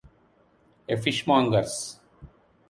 A fishmonger’s.